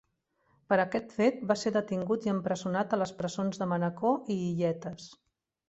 Per aquest fet va ser detengut i empresonat a les presons de Manacor i Illetes.